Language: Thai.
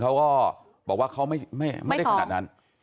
เขาก็บอกว่าเขาไม่ได้ขนาดนั้น